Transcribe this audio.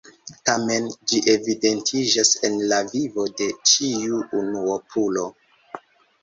Tamen ĝi evidentiĝas en la vivo de ĉiu unuopulo.